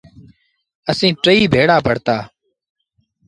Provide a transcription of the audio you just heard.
اسيٚݩ ٽئيٚ ڀيڙآ پڙهتآ۔